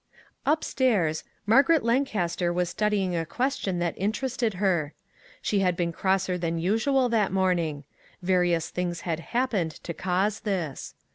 Upstairs, Margaret Lancaster was studying a question that interested her. She had been crosser than usual that morning ; various things had happened to cause this.